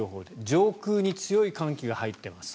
上空に強い寒気が入っています